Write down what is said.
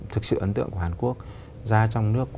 thực sự ấn tượng của hàn quốc ra trong nước